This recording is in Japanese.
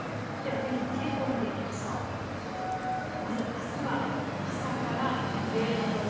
天気の傾向を見ていきましょう。